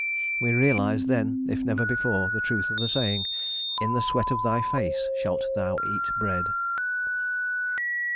We realised then, if never before, the truth of the saying, "In the sweat of thy face shalt thou eat bread."